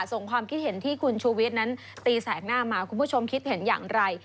ความคิดเห็นที่คุณชูวิทย์นั้นตีแสกหน้ามาคุณผู้ชมคิดเห็นอย่างไร